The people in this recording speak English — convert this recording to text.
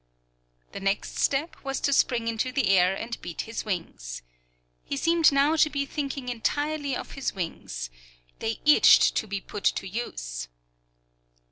The next step was to spring into the air and beat his wings. He seemed now to be thinking entirely of his wings. They itched to be put to use.